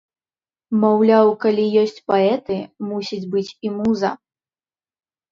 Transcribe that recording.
Маўляў, калі ёсць паэты, мусіць быць і муза.